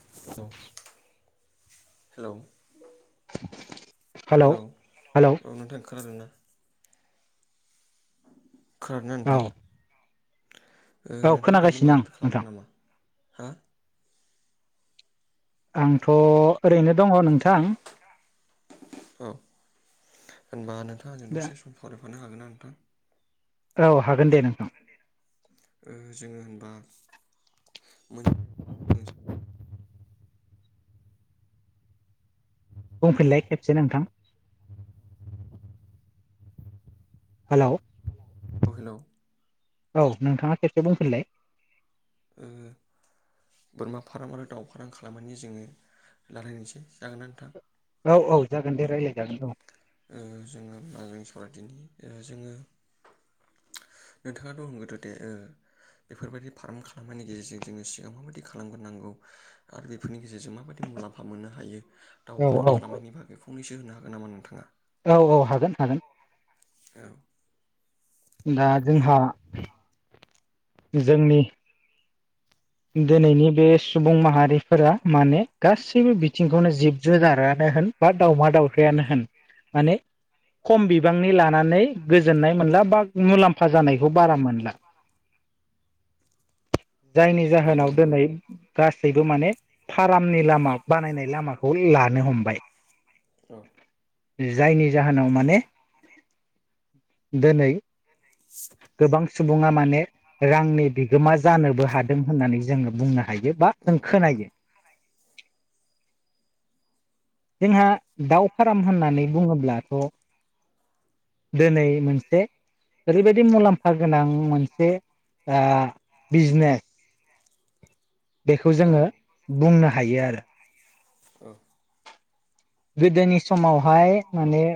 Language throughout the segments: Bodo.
हेलौ हेलौ हेलौ हेलौ औ नोंथां खोनादों ना खोनादों औ ना नोंथां औ नोंथाङा दायो खोनागासिनो आं माबाफोर खालामदों नोंथां नामा हा आंथ' ओरैनो दङ नोंथां औ होनबा नोंथाङा आंजों दसे सम सावरायफानो हागोन ना नोंथां औ हागोन दे औ नोंथां हागोन दे नों जोङो होनबा मोन [unintelligible] बुंफिनलाय खेबसे नोंथां हालौ हेलौ औ नोंथाङा खेबसे बुंफिनलाय ओ बोरमा फार्म आरो दाउ फार्म खालामनायनि जोङो लारायनोसै जागोन ना नोंथां औ औ जागोन दे रायलाय जागोन औ जोङो होनबा जों सावरायदिनि जोङो नोंथाङाथ' होनगोरदो दे ओ बेफोरबायदि फार्म खालामनायनि गेजेरजों जोङो सिगां माबायदि खालामगोरनांगौ आरो बेफोरनि गेजेरजों माबायदि मुलाम फा मोननो हायो दाव औ फाराम औ खालामनायनि बागै फंनैसो होननो हागोन नामा नोंथाङा औ औ हागोन हागोन औ दा जोंहा जोंनि दोनैनि बे सुबुं माहारिफोरा माने गासैबो बिथिंखौनो जिब जुनारानो होन बा दावमा दावफ्रायानो होन माने खम बिबांनि लानानै गोजोननाय मोनला बा मुलाम्फा जानायखौ बारा मोनला जायनि नंगौ जाहोनावबो नंगौ दिनै गासैबो माने फारामनि लामा बानायनाय लामाखौ लानो हमबाय औ जायनि जाहोनाव माने दोनै ओ [unintelligible] गोबां सुबुङा माने रांनि बिगोमा जानोबो हादों होननानै जोङो बुंनो हायो बा उम जों उम खोनायो। जोंहा दाउ फार्म होननानै बुङोब्लाथ' दिनै मोनसे ओरैबादि मुलाम्फा फा गोनां मोनसे बिजनेस बेखौ औ जोङो बुंनो हायो आरो। औ गोदोनि समावहाय माने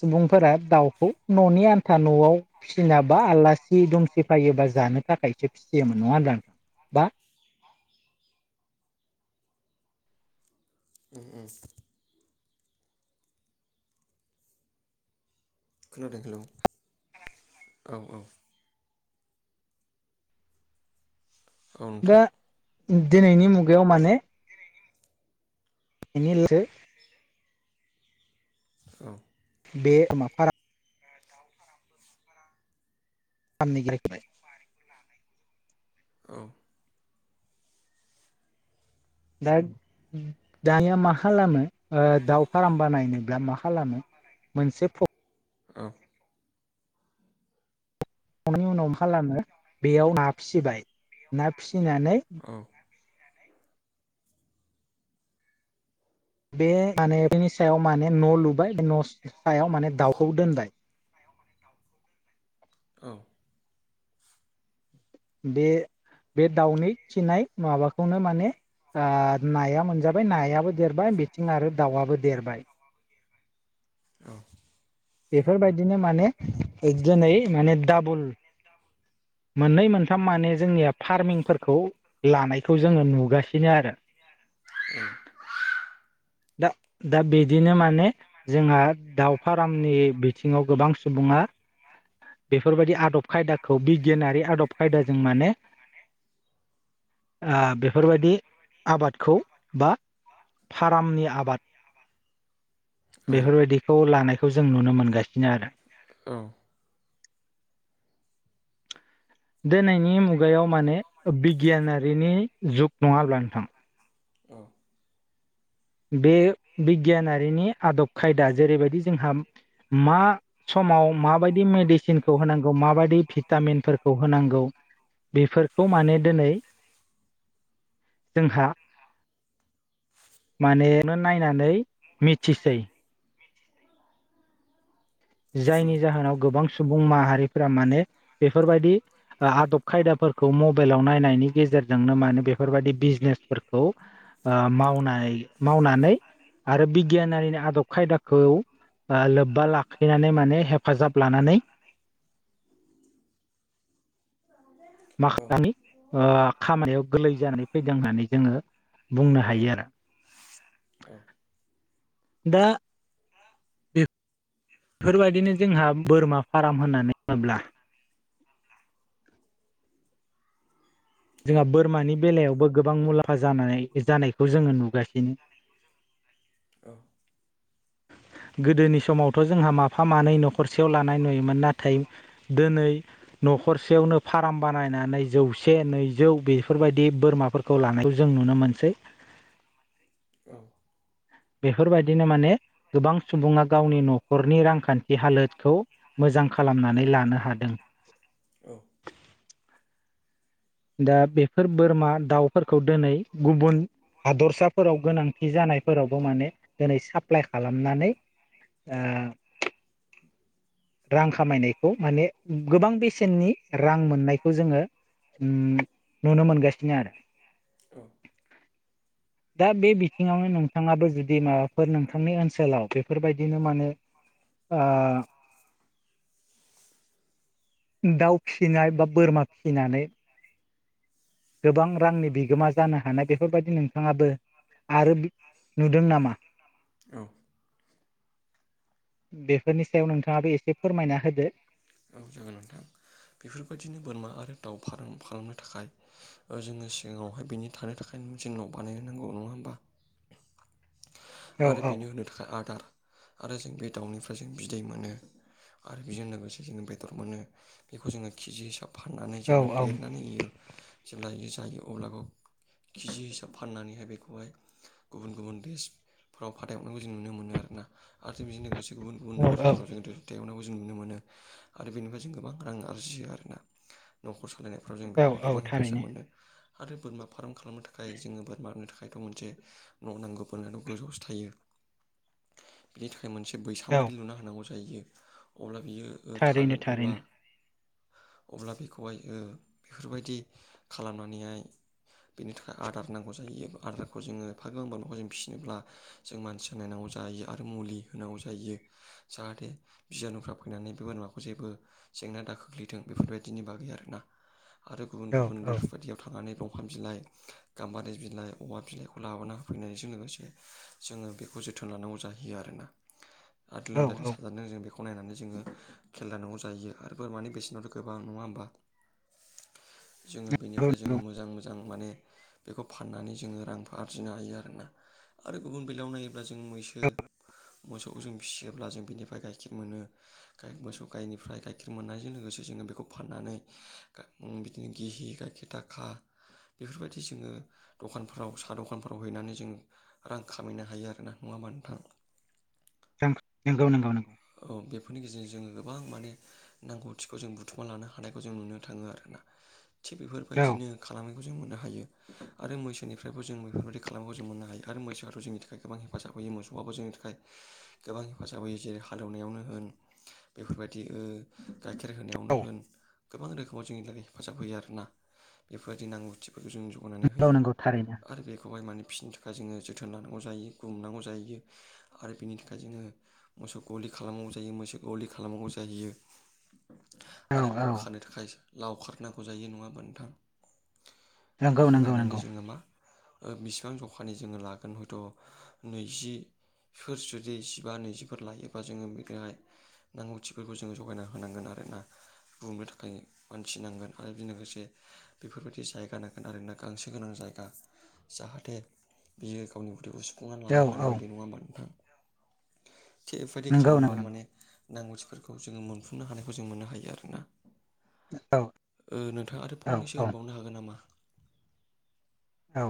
सुबुंफोरा दाउखौ न'नि आन्था न'आव फिसिनाबा आलासि-दुमसि फायोबा जानो थाखायसो फिसियोमोन नङा होनब्ला। नोंथां बा खोनादों हेल' औ ओ औ ओ दा नोंथां दिनैनि मुगायाव माने बेनि लोगोसे बे फारामो दाउ फाराम बोरमा फाराम [unintelligible] औ दा दानिया मा खालामो दाउ फार्म बानायनोब्ला मा खालामो। [unintelligible] औ संनि उनाव मा खालामो बेयाव ना फिसिबाय ना फिसिनानै औ बे माने बिनि सायाव माने न' लुबाय बे न' सायाव माने दाउखौ दोनबाय औ बे बे दाउनि खिनाय माबाखौनो माने। आ नाया मोनजाबाय नायाबो देरबाय बिथिं आरो दाउआबो देरबाय। औ। बेफोरबादिनो माने ओग दिनै माने दाबोल मोननै मोनथाम माने जोंनिया फार्मिंफोरखौ लानायखौ जोङो नुगासिनो आरो। दा दा बिदिनो माने जोंहा दाउ फारामनि बिथिङाव गोबां सुबुङा बेफोरबायदि आदब खायदाखौ बिगियानारि आदब खायदाजों माने बेफोरबादि आबादखौ बा फार्मनि आबाद बेफोरबादिखौ लानायखौ जों नुनो मोनगासिनो आरो। [inaudible] दिनैनि मुगायाव माने बिगियानारिनि जुग नङा ओमब्ला नोंथां। बे बिगियानारिनि आदब खायदा जेरैबायदि जोंहा मा समाव माबायदि मेडिसिनखौ होनांगौ माबायदि भिटामिनफोरखौ होनांगौ। बेफोरखौ माने दिनै जोंहा माने [unintelligible] नायनानै मिथिसै। जायनि जाहोनाव गोबां सुबुं माहारिफोरा माने बेफोरबादि। आदब खायदाफोरखौ मबाइलाव नायनायनि गेजेरजोंनो मानो बेफोरबादि बिजनेसफोरखौ आ मावनाय मावनानै आरो बिगियानारिनि आदब खायदाखौ लोब्बा लाख खैनानै माने हेफाजाब लानानै। औ [unintelligible] खामानियाव गोरलै जानानै फैदों होननानै जोङो बुंनो हायो आरो। दा बे बेफोरबायदिनो जोंहा बोरमा फाराम होननानै बुङोब्ला जोंहा बोरमानि बेलायावबो गोबां मुलाम्फा जानानै जानायखौ जोङो नुगासिनो गोदोनि समावथ' जोंहा माफा मानै न'खरसेयाव लानाय नुयोमोन नाथाय दिनै न'खरसेयावनो फाराम बानायनानै जौसे नैजौ बेफोरबायदि बोरमा फोरखौ लानायखौ जों नुनो मोनसै बेफोरबायदिनो माने गोबां सुबुङा गावनि न'खरनि रांखान्थि हालोदखौ मोजां खालामनानै लानो हादों दा बेफोर बोरमा दाउफोरखौ दोनै गुबुन हादरसाफोराव गोनांथि जानायफोरावबो माने दिनै साप्लाइ खालामनानै ओ रां खामायनायखौ माने गोबां बेसेननि रां मोननायखौ जोङो नुनो मोनगासिनो आरो [inaudible] दा बे बिथिङावनो नोंथाङाबो जुदि माबाफोर नोंथांनि ओनसोलाव बेफोरबायदिनो माने आ [unintelligible] दाउ फिसिनाय बा बोरमा फिसिनानै गोबां रांनि बिगोमा जानो हानाय बेफोरबायदि नोंथाङाबो आरो नुदों नामा औ बेफोरनि सायाव नोंथाङाबो एसे फोरमायना होदो औ जागोन नोंथां बेफोरबायदिनो बोरमा आरो दाउ फाराम खालामनो थाखाय ओ जोङो सिगाङावहाय बिनि थानो थाखाय जोंनाव बानायनो नांगौ नङा होमबा औ आरो औ बेनो होनो थाखाय आदार आरो जों बे दाउनिफ्राय जों बिदै मोनो आरो बेजों लोगोसे जों बेदर मोनो बेखौ जोङो केजि हिसाबै फाननानै औ जेब्ला देरनानै होयो जेब्ला बि जायो अब्लाबो केजि हिसाब फाननानैहाय बेखौहाय गुबुन गुबुन देस फोराव फाथायहरनायखौ जों नुनो मोनो आरोना आरो जों बेजों लोगोसे गुबुन गुबुन औ नोगोरफोराव जों [unintelligible] जों नुनो मोनो आरो बेनिफ्राय जों गोबां रां आरजियो आरोना न'खर सालायनायाव ज औ बेनिफ्राय औ गोबां हेफाजाब थारैनो मोनदों आरो बोरमा फार्म खालामनो थाखाय जोङो बोरमा होनो थाखायथ' मोनसे न' नांगौ बोरमायाथ गोजौ बिनि थाखाय मोनसे बैसां औ बादि लुनो हानांगौ जायो अब्ला बियो थारैनो थागोन अब्ला थारैनो अब्ला बेखौहाय बेफोरबायदि खालामनानैहाय बेनि थाखाय आदार नांगौ जायो आदारखौ जोङो फाग्लांबा न'खौ जों फिसिनोब्ला जों मानसि नायनांगौ जायो आरो मुलि होनांगौ जायो जाहाथे बिजयानुफ्रा फैनानै बे बोरमाखौ जेबो जेंना द खोख्लैथों बेफोरबायदिनि बागै आरोना आरो गुबुन औ गुबुन औ बेफोर बायदियाव थांनानै दंफां बिलाइ गाम्बारि बिलाइ औमा बिलाइखौ लाबोना होफैनायजों लोगोसे जोङो बेखौ जोथोन लानांगौ जाहैयो आरोना आरो औ लोमजादों औ साजादों जों बेखौ खौ नायनानै जोङो खेल लानांगौ जायो आरो बोरमानि बेसेनाथ' गोबां नङा होमबा जोङो नंगौ बेनिफ्राय जोङो मोजां मोजां माने बेखौ फाननानै जोङो रां आरजिनो हायो आरोना आरो गुबुन बेलायाव नायोब्ला जों मैसो मोसौखौ जों फिसियोब्ला जों बिनिफ्राय गाइखेर मोनो गाय मोसौ गायनिफ्राय गाइखेर मोननायजों लोगोसे जोङो बेखौ फाननानै बिदिनो गिहि गायखेर दाखा बेफोरबायदि जोङो दखानफोराव साहा दखानफोराव हैनानै जोंङो रां खामायनो हायो आरो ना नङा होमबा नोंथां नोंगौ नंगौ नंगौ। औ बेफोरनि गेजेरजों जोङो गोबां माने नांगौथिखौ जों बुथुमा लानो हानायखौ जों नुनो थाङो आरोना थिग औ बेफोरबायदिनो खालामनायखौ जों मोननो हायो आरो मैसोनिफ्रायबो जों बेफोरबायाददि खालामखौ जों मोननो हायो आरो मैसोआथ' जोंनि थाखाय गोबां हेफाजाब होयो मोसौआबो जोंनि थाखाय गोबां हेफाजाब होयो जेरै हालेवनायावनो होन बेफोरबायदि गाइखेर होनायावनो औ होन। गोबां रोखोमाव जोंनि थाखाय हेफाजाब होयो आरोना बेफोरदि नांगौथिफोरखौ जों ज अनानै नंगौ होयो नंगौ थारैनो आरो बेखौहाय मान फिसिनो थाखाय जोङो जोथोन लानांगौ जायो गुमनांगौ जायो आरो बिनि थाखाय जोङो मोसौ गलि खालामनांगौ जायो मोनसे गलि खालामनांगौ जाहैयो औ आरो बेखौ औ खानो थाखाय लाव खारनांगौ जायो नङा मोनथां नंगौ बेखौ नंगौ नंगौ नायनानै जोङो मा? बिसेबां जखानि जोङो लागोन हयथ' नैजि सोर जुदि जिबा नैजिफोर लायोबा जोङो बेखौहाय नांगौथिफोरखौ जोंङो जगायना होनांगोन आरो ना। बुंनो थाखाय मानथिनांगोन आरो बेजों लोगोसे बेफोरबायदि जायगा नांगोन आरोना गांसो गोनां जायगा जाहाथे बियो गावनि गथैखौ सखुंनानै औ लानो हानाय औ बायदि नङा होमबा नोंथां थिग बेबायदि नंगौ नंगौ खालामोबा नंगौ माने नांगौथिफोरखौ जोङो मोनफुंनो हानायखौ जों मोननो हायो आरो ना। औ ओ नोंथाङा आरो औ औ फंनैसो होनबावनो हागोन नामा? औ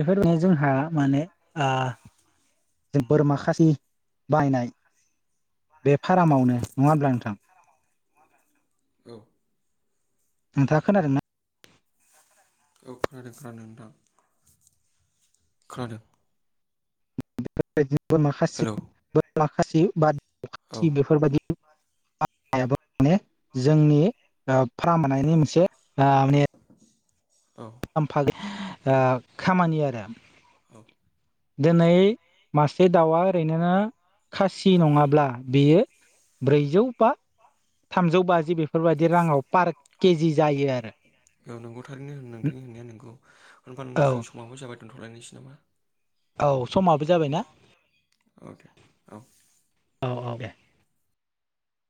बेफोरनो जोंहा माने ओ ज बोरमा खासि बायनाय बे फार्मावनो नङा होमब्ला नोंथां? औ नोंथाङा खोनादों ना? औ खोनादों खोनादों नोंथां खोनादों। बेबायदि बोरमा खासि हेलौ बोरमा खासि बा औ बेफोरबायदि [unintelligible] बो माने जोंनि ओ फार्मनि मोनसे ओ माने औ मुलाम्फा औ आं खामानि आरो। औ दिनै मासे दाउआ ओरैनोमा खासि नङाब्ला बेयो सेजौ बा थामजौ बाजि बेफोरबायदि राङाव पार केजि जायो आरो औ नंगौ थारैनो नोंथांनि होननाया नोंगौ। होनबा नोंथां औ जोंनि समाबो जाबाय दोनथ'लायनोसै नामा? औ समाबो जाबायना अके औ औ औ दे